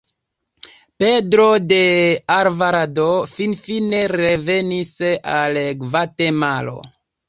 Pedro de Alvarado finfine revenis al Gvatemalo.